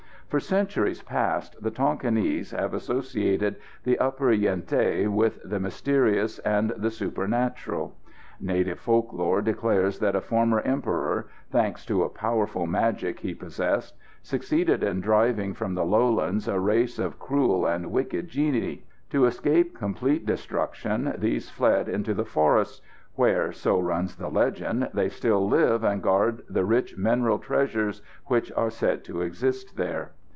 For centuries past the Tonquinese have associated the Upper Yen Thé with the mysterious and the supernatural. Native folk lore declares that a former Emperor, thanks to a powerful magic he possessed, succeeded in driving from the lowlands a race of cruel and wicked genii. To escape complete destruction these fled into the forests, where, so runs the legend, they still live and guard the rich mineral treasures which are said to exist there.